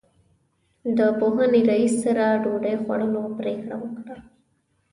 د پوهنې رئیس سره ډوډۍ خوړلو پرېکړه وکړه.